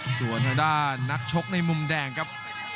ส่วนทางด้านนักชกในมุมแดงครับ